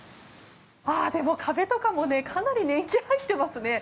壁とかもかなり年季が入っていますね。